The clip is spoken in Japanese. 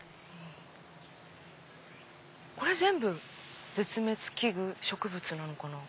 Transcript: これ全部絶滅危惧植物なのかな？